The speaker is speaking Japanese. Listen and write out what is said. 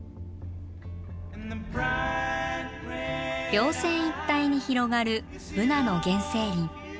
稜線一帯に広がるブナの原生林。